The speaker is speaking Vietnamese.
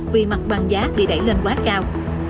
vì mặt bằng giá bị đẩy lên quá cao